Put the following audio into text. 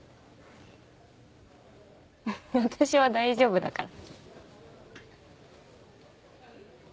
私は大丈夫だから。